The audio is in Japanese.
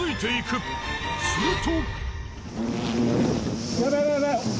すると。